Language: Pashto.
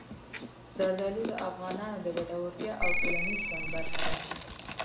زردالو د افغانانو د ګټورتیا او ټولنیز ژوند برخه ده.